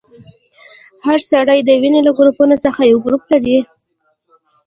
هر سړی د وینې له ګروپونو څخه یو ګروپ لري.